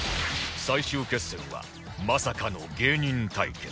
最終決戦はまさかの芸人対決